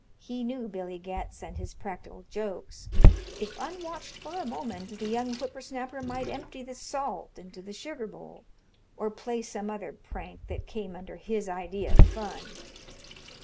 He knew Billy Getz and his practical jokes. If unwatched for a moment, the young whipper snapper might empty the salt into the sugar bowl, or play some other prank that came under his idea of fun.